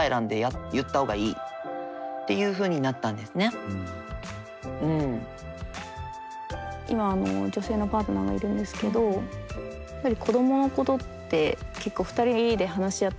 あと今女性のパートナーがいるんですけど子供のことって結構２人で話し合ったりもしてるんですよ。